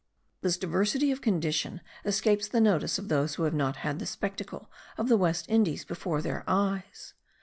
This diversity of condition escapes the notice of those who have not had the spectacle of the West Indies before their eyes.